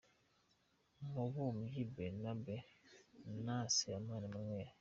Mubumbyi Bernabe na Sebanani Emanuweli.